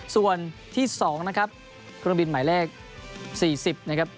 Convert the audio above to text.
ส่วนที่๒นะครับเครื่องบินหมายเลข๔๐นะครับ